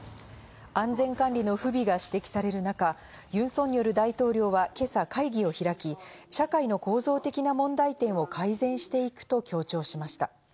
安全管理の不備が指摘される中、ユン・ソンニョル大統領は今朝会議を開き、社会の構造的な問題点を改善していくと強調しました。